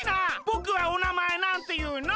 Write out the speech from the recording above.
ぼくはおなまえなんていうの？